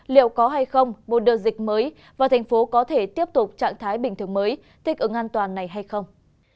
liệu có hay không một đợt dịch mới và thành phố có thể tiếp tục trạng thái bình thường mới thích ứng an toàn này hay không